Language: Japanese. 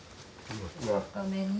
ごめんね。